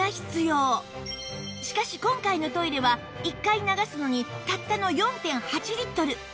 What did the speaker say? しかし今回のトイレは１回流すのにたったの ４．８ リットル